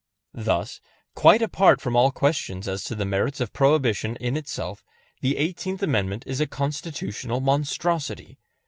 Thus, quite apart from all questions as to the merits of Prohibition in itself, the Eighteenth Amendment is a Constitutional monstrosity.